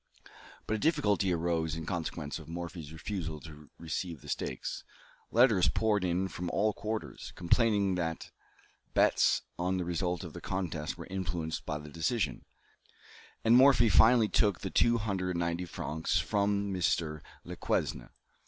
But a difficulty arose in consequence of Morphy's refusal to receive the stakes. Letters poured in from all quarters, complaining that bets on the result of the contest were influenced by the decision, and Morphy finally took the two hundred and ninety francs from Mr. Lequesne.